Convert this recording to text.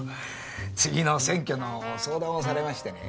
次の選挙の相談をされましてね。